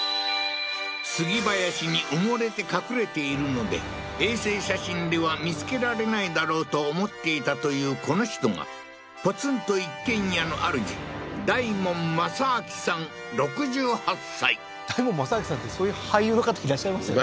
杉林に埋もれて隠れているので衛星写真では見つけられないだろうと思っていたというこの人がポツンと一軒家のあるじ大門正明さんってそういう俳優の方いらっしゃいますよね